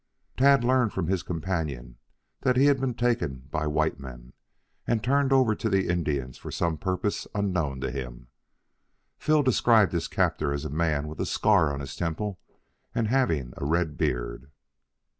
Tad learned from his companion that he had been taken by white men and turned over to the Indians for some purpose unknown to him. Phil described his captor as a man with a scar on his temple and having a red beard.